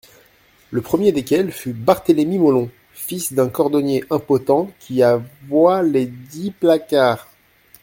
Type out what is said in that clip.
Le premier desquels fut Barthélemy Mollon, fils d'un cordonnier, impotent, qui avoit lesdicts placards.